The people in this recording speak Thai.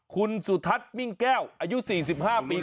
คุณสุทัศน์มิ่งแก้วอายุ๔๕ปี